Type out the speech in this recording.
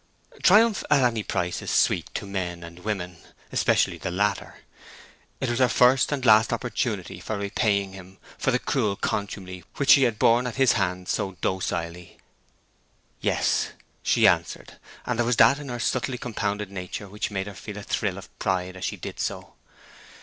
Triumph at any price is sweet to men and women—especially the latter. It was her first and last opportunity of repaying him for the cruel contumely which she had borne at his hands so docilely. "Yes," she answered; and there was that in her subtly compounded nature which made her feel a thrill of pride as she did so.